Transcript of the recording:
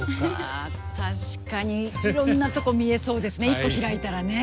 あ確かにいろんなとこ見えそうですね一個開いたらね。